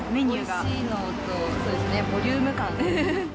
おいしいのと、そうですね、ボリューム感。